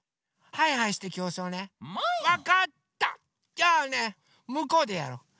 じゃあねむこうでやろう！